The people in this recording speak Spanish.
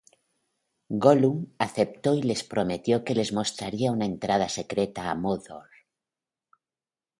Gollum aceptó y les prometió que les mostraría una entrada secreta a Mordor.